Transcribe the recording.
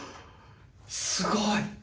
すごい！